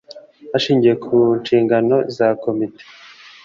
hashingiwe ku nshingano z a komite